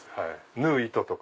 縫う糸とか。